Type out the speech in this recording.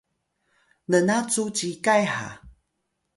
nna cu cikay ha